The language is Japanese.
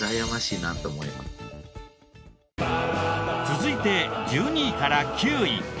続いて１２位から９位。